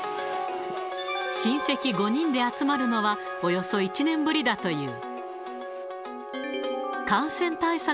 親戚５人で集まるのは、およそ１年ぶりだという。